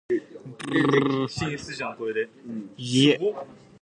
While this is not immersive, it is inexpensive.